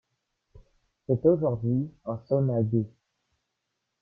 C'est aujourd'hui un sauna gay.